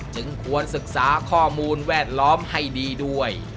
จึงควรศึกษาข้อมูลแวดล้อมให้ดีด้วย